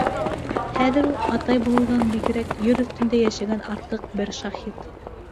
Хәҙер ул, атай булыуҙан бигерәк, ер өҫтөндә йәшәгән артыҡ бер шаһит.